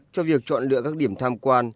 cho việc chọn lựa các điểm tham quan